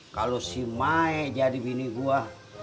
kalo si mae jadi bini gua